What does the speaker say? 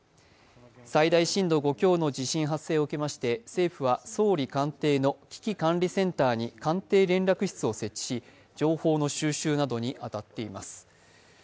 最大震度５強の地震発生を受けまして、政府は総理官邸の危機管理センターに官邸連絡室を設置し、情報の収集などに当たっています。